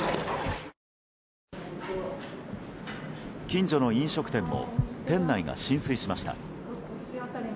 近所の飲食店も店内が浸水しました。